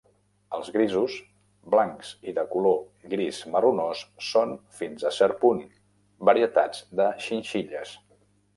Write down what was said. Els grisos, blancs i de color gris marronós són, fins a cert punt, varietats de xinxilles.